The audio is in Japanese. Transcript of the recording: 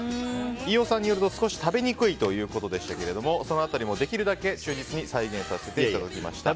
飯尾さんによると少し食べにくいということでしたがその辺りもできるだけ忠実に再現させていただきました。